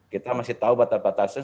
kita masih tahu batas batasnya